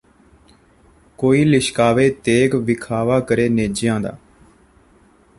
ਕੋਈ ਲਿਸ਼ਕਾਵੇ ਤੇਗ ਵਿਖਾਵਾ ਕਰੇ ਨੇਜ਼ਿਆਂ ਦਾ